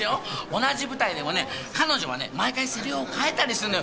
同じ舞台でもね彼女はね毎回セリフを変えたりすんのよ。